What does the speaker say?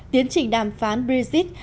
tiến trình đàm phán brexit